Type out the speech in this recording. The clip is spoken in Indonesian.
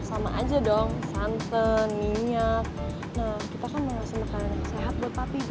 sama aja dong santan minyak nah kita kan mau ngasih makanan sehat buat papi